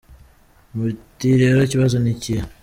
Muti rero ikibazo ni ikihe ?